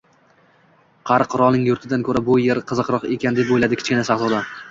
«Qari qirolning yurtidan ko‘ra bu yer qiziqroq ekan», deb o‘yladi Kichkina shahzoda